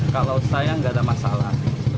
kalau saya nggak ada masalah